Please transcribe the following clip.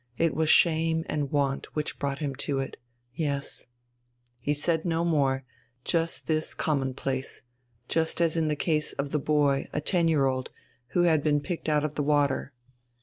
It was shame and want which brought him to it. Yes." He said no more, just this commonplace just as in the case of the boy, a ten year old, who had been picked out of the water.